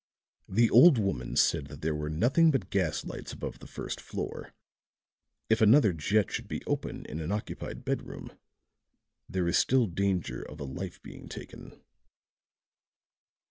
"The old woman said that there were nothing but gaslights above the first floor. If another jet should be open in an occupied bedroom, there is still danger of a life being taken."